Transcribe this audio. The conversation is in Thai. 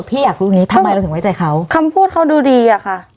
พี่อยากรู้นี้ทำไมเราถึงไว้ใจเขาคำพูดเขาดูดีอะค่ะ